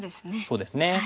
そうですね。